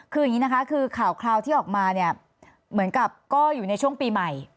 คืออย่างนี้นะคะคือข่าวที่ออกมาเนี่ยเหมือนกับก็อยู่ในช่วงปีใหม่